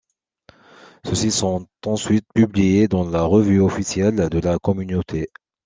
Ceux-ci sont ensuite publiés dans la revue officielle de la communauté.